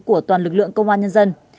của toàn lực lượng công an nhân dân